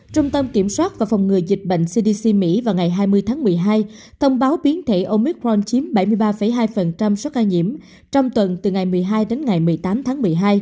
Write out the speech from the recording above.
trung tâm kiểm soát và phòng ngừa dịch bệnh cdc mỹ vào ngày hai mươi tháng một mươi hai thông báo biến thể omicron chiếm bảy mươi ba hai số ca nhiễm trong tuần từ ngày một mươi hai đến ngày một mươi tám tháng một mươi hai